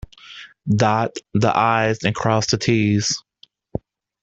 Dot the I's and cross the T's.